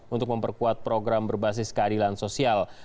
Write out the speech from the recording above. untuk memperkuat program berbasis keadilan sosial